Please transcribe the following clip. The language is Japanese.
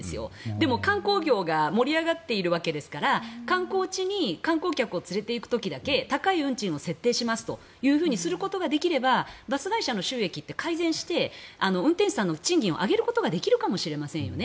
でも観光業が盛り上がっているわけですから観光地に観光客を連れて行く時だけ高い運賃を設定しますということができればバス会社の収益って改善して運転手さんの賃金を上げることができるかもしれませんよね。